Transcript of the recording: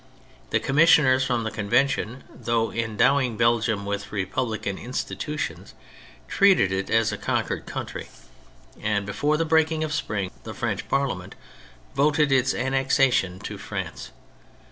The Commissioners from the Convention, though endowing Belgium with republican institutions, treated it as a con quered country, and before the breaking of spring, the French Parliament voted its annexation to France.